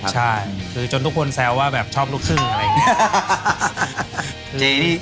ใช่คือจนทุกคนแซวว่าแบบชอบลูกครึ่งอะไรอย่างนี้